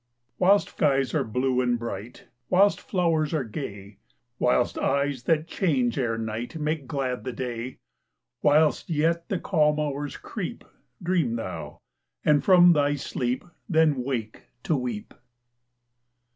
3. Whilst skies are blue and bright, _15 Whilst flowers are gay, Whilst eyes that change ere night Make glad the day; Whilst yet the calm hours creep, Dream thou and from thy sleep _20 Then wake to weep.